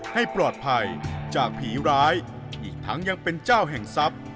ให้ปลอดภัยจากผีร้ายอีกทั้งยังเป็นเจ้าแห่งทรัพย์